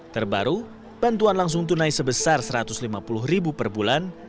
terbaru bantuan langsung tunai sebesar rp satu ratus lima puluh ribu per bulan